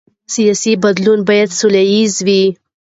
سیاسي بدلون باید سوله ییز وي